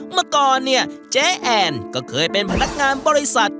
เมื่อก่อนเนี่ยเจ๊แอนก็เคยเป็นพนักงานบริษัท